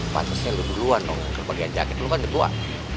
patusnya lu duluan dong kebagian ceket lu kan duluan